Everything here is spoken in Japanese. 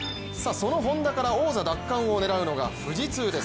そのＨｏｎｄａから王座奪還を狙うのが富士通です。